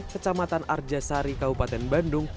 kecamatan arjasari kabupaten bandung